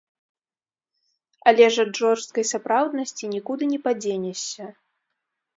Але ж ад жорсткай сапраўднасці нікуды не падзенешся.